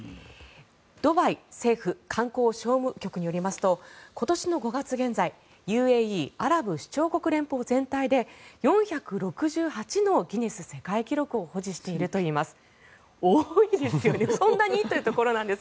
ドバイ政府観光・商務局によりますと今年の５月現在ＵＡＥ・アラブ首長国連邦全体で４６８のギネス世界記録を保持しているといいます。